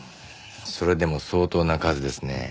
それでも相当な数ですねえ。